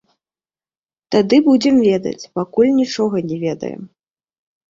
Тады будзем ведаць, пакуль нічога не ведаем.